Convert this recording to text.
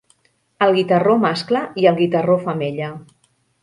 El guitarró mascle i el guitarró femella.